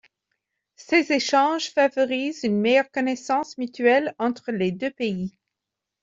Ces échanges favorisent une meilleure connaissance mutuelle entre les deux pays.